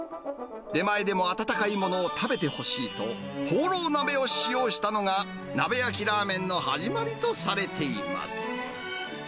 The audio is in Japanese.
出前でも温かいものを食べてほしいと、ホーロー鍋を使用したのが、鍋焼きラーメンの始まりとされています。